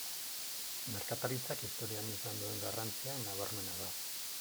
Merkataritzak historian izan duen garrantzia nabarmena da.